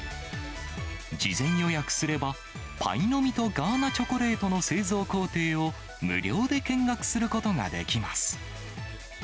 事前予約すれば、パイの実とガーナチョコレートの製造工程を無料で見学することができます。